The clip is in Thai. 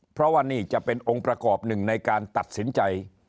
เพราะว่านี่จะเป็นองค์ประกอบหนึ่งในการตัดสินใจ